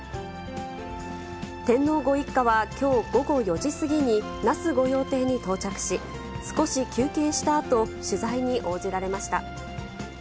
天皇ご一家はきょう午後４時過ぎに、那須御用邸に到着し、少し休憩したあと、取材に応じられました。